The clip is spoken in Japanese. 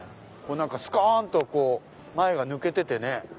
スカン！と前が抜けててね。